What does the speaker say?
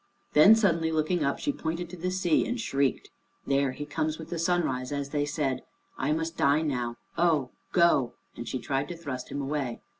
Then suddenly looking up, she pointed to the sea and shrieked, "There he comes with the sunrise as they said. I must die now. Oh go!" And she tried to thrust him away.